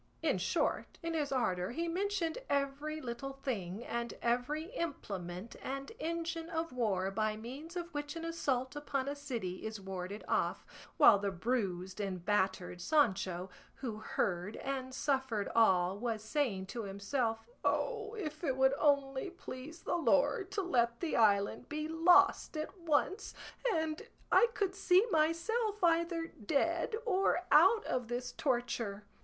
In short, in his ardour he mentioned every little thing, and every implement and engine of war by means of which an assault upon a city is warded off, while the bruised and battered Sancho, who heard and suffered all, was saying to himself, "O if it would only please the Lord to let the island be lost at once, and I could see myself either dead or out of this torture!"